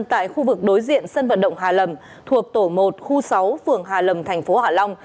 tại khu vực đối diện sân vận động hà lâm thuộc tổ một khu sáu phường hà lâm tp hà lâm